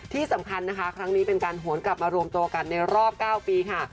ที่สำคัญนะคะครั้งนี้เป็นการโหนกลับมารวมตัวกันในรอบ๙ปีค่ะ